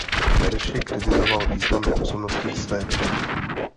Verši kritizoval významné osobnosti své doby.